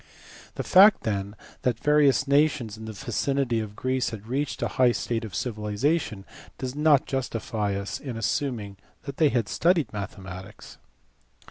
The fact then that various nations in the vicinity of Greece had reached a high state of civilization does not justify us in assuming that they had studied mathematics.